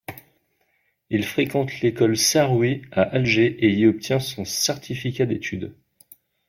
Il fréquente l'école Sarrouy à Alger et y obtient son certificat d'études.